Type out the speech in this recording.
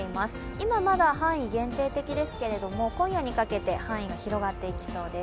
今まだ範囲は限定的ですけれども今夜にかけて範囲が広がっていきそうです。